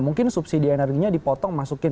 mungkin subsidi energinya dipotong masuk ke bumn